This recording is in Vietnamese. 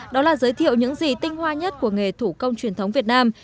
đó là giới thiệu những gì tinh hoa nhất của nghề thủ công truyền thống việt nam